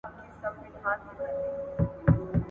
له غيرته ډکه مېنه ..